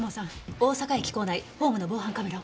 大阪駅構内ホームの防犯カメラを。